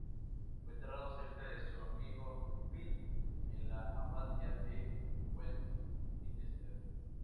Fue enterrado cerca de su amigo Pitt en la Abadía de Westminster.